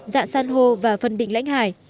dạng san hô và phân định lãnh hải